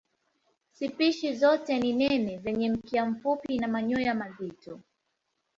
Spishi zote ni nene zenye mkia mfupi na manyoya mazito.